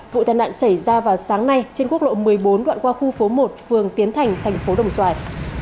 vụ thân nạn xảy ra vào sáng nay trên quốc lộ một mươi bốn đoạn qua khu phố một phường tiến thành tp đồng xoài